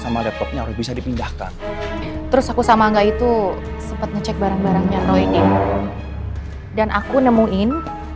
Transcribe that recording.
sama laptopnya bisa dipindahkan terus aku sama enggak itu sempat ngecek barang barangnya roiding dan aku nemuin